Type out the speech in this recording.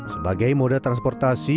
sebagai moda transportasi